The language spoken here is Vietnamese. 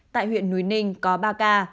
tại huyện núi ninh có ba ca